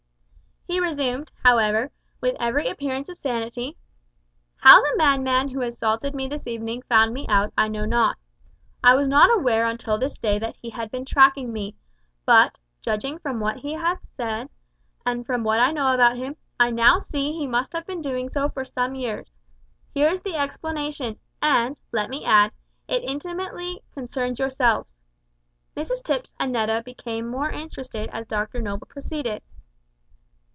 He resumed, however, with every appearance of sanity "How the madman who assaulted me this evening found me out I know not. I was not aware until this day that he had been tracking me, but, judging from what he said, and from what I know about him, I now see that he must have been doing so for some years. Here is the explanation, and, let me add, it intimately concerns yourselves." Mrs Tipps and Netta became more interested as Dr Noble proceeded.